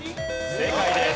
正解です。